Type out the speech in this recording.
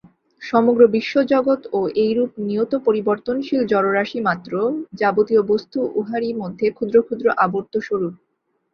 সমগ্র বিশ্বজগৎও এইরূপ নিয়ত পরিবর্তনশীল জড়রাশি-মাত্র, যাবতীয় বস্তু উহারই মধ্যে ক্ষুদ্র ক্ষুদ্র আবর্তস্বরূপ।